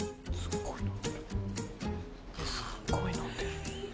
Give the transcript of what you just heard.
すっごい飲んでる。